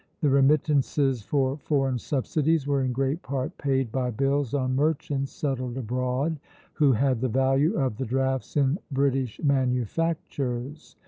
The remittances for foreign subsidies were in great part paid by bills on merchants settled abroad, who had the value of the drafts in British manufactures.